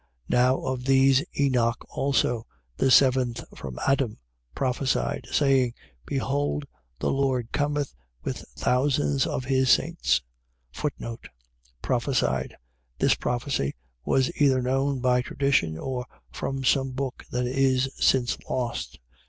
1:14. Now of these Enoch also, the seventh from Adam, prophesied, saying: Behold, the Lord cometh with thousands of his saints: Prophesied. . .This prophecy was either known by tradition, or from some book that is since lost.